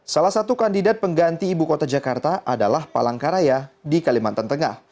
salah satu kandidat pengganti ibu kota jakarta adalah palangkaraya di kalimantan tengah